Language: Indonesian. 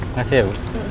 makasih ya bu